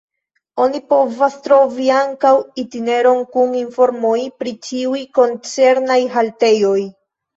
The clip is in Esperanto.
Oni povas trovi ankaŭ itineron kun informoj pri ĉiuj koncernaj haltejoj.